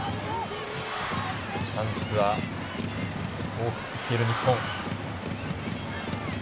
チャンスは多く作っている日本。